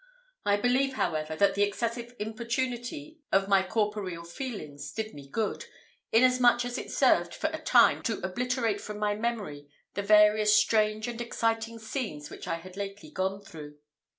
I believe, however, that the excessive importunity of my corporeal feelings did me good, inasmuch as it served, for a time, to obliterate from my memory the various strange and exciting scenes which I had lately gone through.